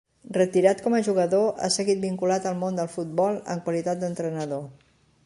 Retirat com a jugador, ha seguit vinculat al món del futbol en qualitat d'entrenador.